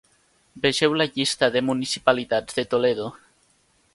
Vegeu la llista de municipalitats de Toledo.